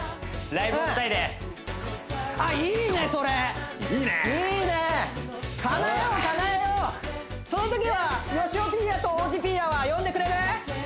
いいねそれいいね叶えよう叶えようそのときはよしおピーヤと王子ピーヤは呼んでくれる？